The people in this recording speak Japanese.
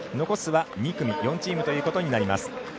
残すは２組４チームということになります。